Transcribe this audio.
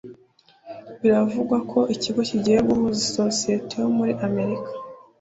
biravugwa ko ikigo kigiye guhuza isosiyete yo muri amerika